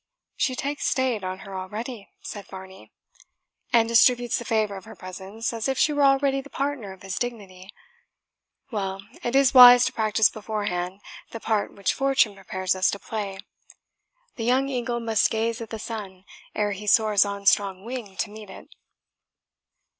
"She takes state on her already," said Varney, "and distributes the favour of her presence, as if she were already the partner of his dignity. Well, it is wise to practise beforehand the part which fortune prepares us to play the young eagle must gaze at the sun ere he soars on strong wing to meet it."